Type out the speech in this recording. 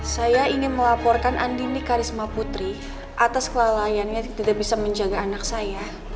saya ingin melaporkan andini karisma putri atas kelalaiannya tidak bisa menjaga anak saya